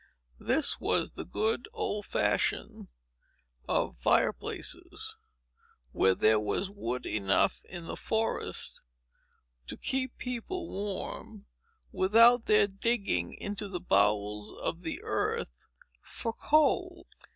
This was the good old fashion of fire places, when there was wood enough in the forests to keep people warm, without their digging into the bowels of the earth for coal.